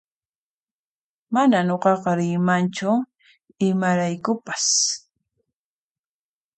Manan nuqaqa riymanchu imaraykupas